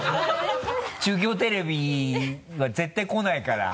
中京テレビは絶対来ないから。